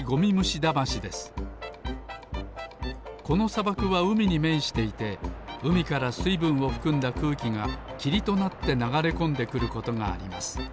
このさばくはうみにめんしていてうみからすいぶんをふくんだくうきがきりとなってながれこんでくることがあります。